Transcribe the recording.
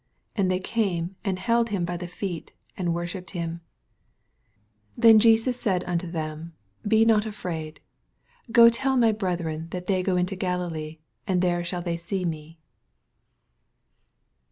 And they came and held him by the feet, and worshipped him. 10 Then said Jesos onto them, Be not afhdd : go tell my brethren that they go into Galilee, and there shall they see me.